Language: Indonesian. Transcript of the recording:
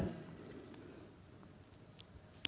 tersebut fellows yang ada termasuk bantuan sosial